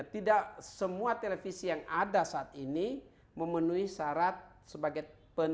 tidak semua televisi yang ada saat ini memenuhi syarat sebagai peneliti